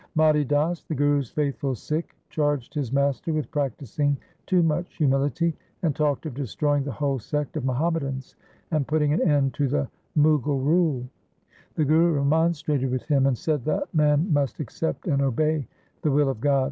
1 Mati Das, the Guru's faithful Sikh, charged his master with practising too much humility, and talked of destroying the whole sect of Muhammadans and putting an end to the Mughal rule. The Guru remonstrated with him, and said that man must accept and obey the will of God.